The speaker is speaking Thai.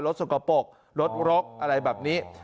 สกปรกรถรกอะไรแบบนี้